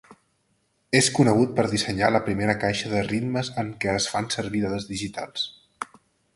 És conegut per dissenyar la primera caixa de ritmes en què es fan servir dades digitals.